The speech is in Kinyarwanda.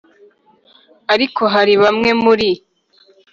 Ariko hari bamwe muri